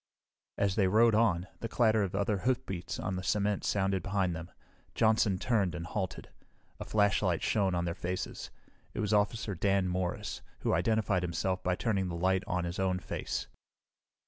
As they rode on, the clatter of other hoofbeats on the cement sounded behind them. Johnson turned and halted. A flashlight shone in their faces. It was Officer Dan Morris, who identified himself by turning the light on his own face.